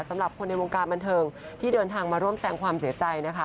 สำหรับคนในวงการบันเทิงที่เดินทางมาร่วมแสงความเสียใจนะคะ